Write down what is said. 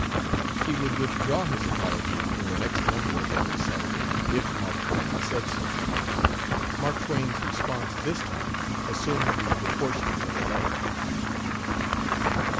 He would withdraw his apology in the next number of Every Saturday, if Mark Twain said so. Mark Twain's response this time assumed the proportions of a letter.